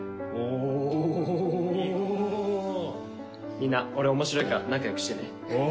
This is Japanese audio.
みんな俺面白いから仲良くしてね。